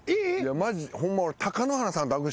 マジホンマ。